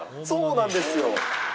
そうなんですよ。